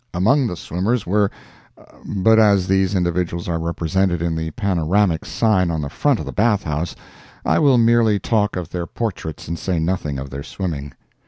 Among the swimmers were—but as these individuals are represented in the panoramic sign on the front of the bath house, I will merely talk of their portraits and say nothing of their swimming.